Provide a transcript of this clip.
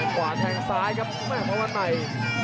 ขวาแทงซ้ายครับแม่พระวันใหม่